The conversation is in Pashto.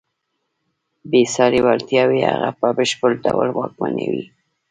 بېساري وړتیاوې هغه په بشپړ ډول واکمنوي.